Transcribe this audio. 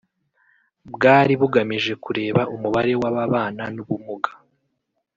bwari bugamije kureba umubare w’ababana n’ubumuga